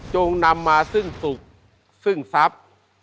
นำมาซึ่งสุขซึ่งทรัพย์